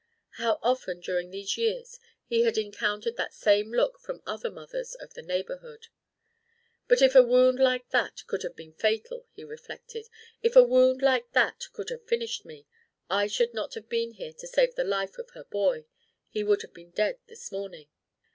How often during these years he had encountered that same look from other mothers of the neighborhood! "But if a wound like that could have been fatal," he reflected, "if a wound like that could have finished me, I should not have been here to save the life of her boy; he would have been dead this morning."